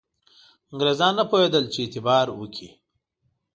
انګرېزان نه پوهېدل چې اعتبار وکړي.